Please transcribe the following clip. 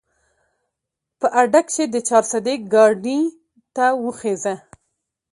په اډه کښې د چارسدې ګاډي ته وخېژه